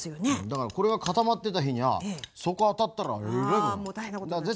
だからこれが固まってた日にはそこ当たったらえらいことになる。